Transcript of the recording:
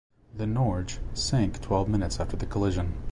The "Norge" sank twelve minutes after the collision.